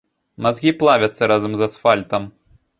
Мазгі плавяцца разам з асфальтам.